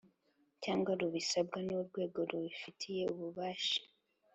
cyangwa rubisabwe n urwego rufiteye ububasha